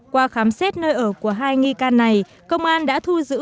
qua khám xét nơi ở của hai nghi can này công an đã thu giữ tám mươi năm đồng